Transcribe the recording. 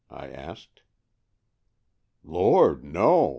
" I asked. " Lord, no